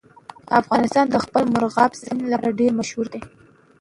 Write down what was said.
افغانستان د خپل مورغاب سیند لپاره ډېر مشهور دی.